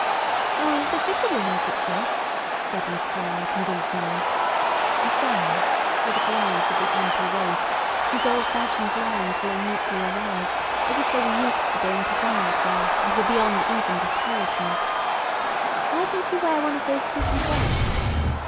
"O, the fitter will make it fit," said Miss Brower convincingly; and then, with a glance at the ample waist, whose old fashioned lines lay meekly awry as if they were used to being put on that way and were beyond even discouragement: "Why don't you wear one of those stiffened waists?